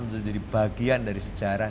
untuk jadi bagian dari sejarah